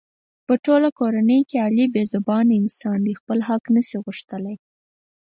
په ټوله کورنۍ کې علي بې زبانه انسان دی. خپل حق نشي غوښتلی.